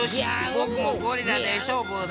ぼくもゴリラでしょうぶだ。